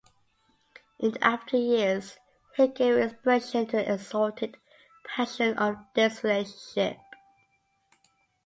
In after-years he gave expression to the exalted passion of this relationship.